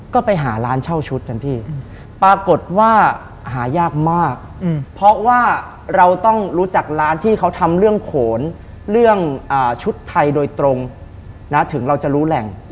ก็ไปหาร้านเช่าชุดนะพี่ปรากฏว่าหายากมากเพราะว่าเราต้องรู้จักร้านที่เขาทำเรื่องโขนเรื่องชุดไทยโดยตรงนะถึงเราจะรู้แหล่ง